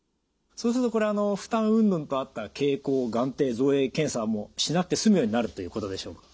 そうするとこれ負担うんぬんとあった蛍光眼底造影検査はもうしなくて済むようになるということでしょうか？